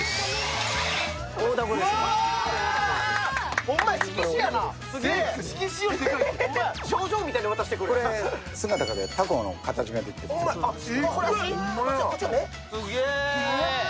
すげえ！